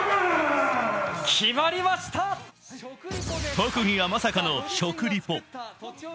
特技はまさかの食リポ。